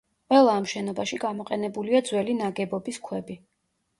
ყველა ამ შენობაში გამოყენებულია ძველი ნაგებობის ქვები.